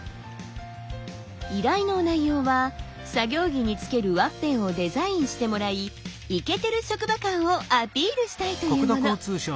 依頼の内容は作業着につけるワッペンをデザインしてもらいイケてる職場感をアピールしたいというもの。